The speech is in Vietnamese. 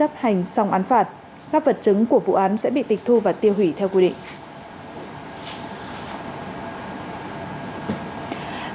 các vật chứng của vụ án sẽ bị tịch thu và tiêu hủy theo quy định